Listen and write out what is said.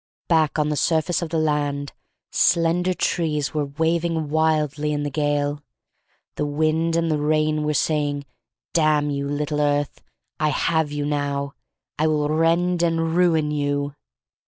Back on the surface of the land slender trees were waving wildly in the gale. The wind and the rain were saying, "Damn you, little earth, I have you now, — I will rend and ruin you."